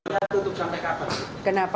itu yang kita inginkan